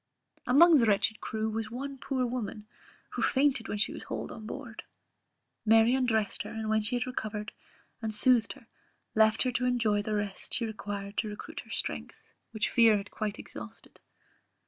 Amongst the wretched crew was one poor woman, who fainted when she was hauled on board: Mary undressed her, and when she had recovered, and soothed her, left her to enjoy the rest she required to recruit her strength, which fear had quite exhausted.